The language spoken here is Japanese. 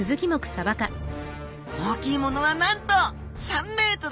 大きいものはなんと３ｍ！